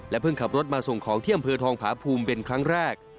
และเพิ่งขับรถมาส่งของเที่ยมเผือทองผาพูมเป็นครั้งแรก